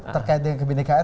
terkait dengan kebenekaan